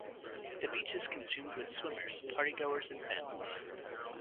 The beach is consumed with swimmers, party goers and families.